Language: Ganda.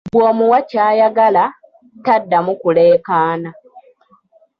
"Bw’omuwa ky’ayagala, taddamu kulekaana."